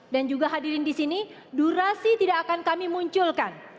dan juga hadirin di sini durasi tidak akan kami munculkan